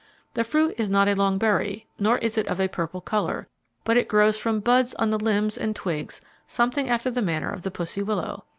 "The fruit is not a long berry, nor is it of a purple color, but it grows from buds on the limbs and twigs something after the manner of the pussy willow.